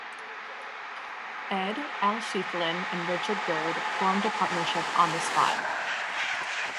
Ed, Al Schieffelin and Richard Gird formed a partnership on the spot.